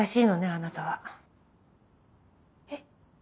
あなたは。えっ？